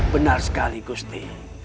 benar sekali gusti